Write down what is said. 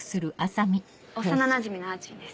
幼なじみのあーちんです。